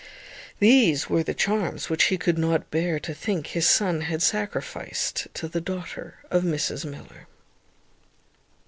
These were the charms which he could not bear to think his son had sacrificed to the daughter of Mrs Miller.